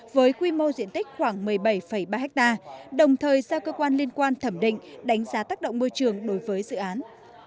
với quy mô diện tích khoảng một mươi bảy ba ha đồng thời giao cơ quan liên quan thẩm định đánh giá tác động môi trường đối với dự án